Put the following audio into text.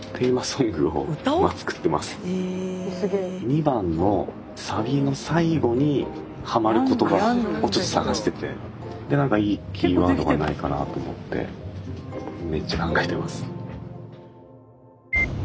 ２番のサビの最後にハマる言葉をちょっと探しててでなんかいいキーワードないかなと思ってめっちゃ考えてます。